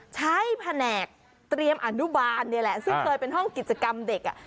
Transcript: แผนกเตรียมอนุบาลนี่แหละซึ่งเคยเป็นห้องกิจกรรมเด็กอ่ะ